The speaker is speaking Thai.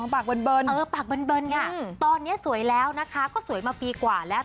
อ๋อปากเบินค่ะตอนนี้สวยแล้วนะคะก็สวยมาปีกว่าแล้ว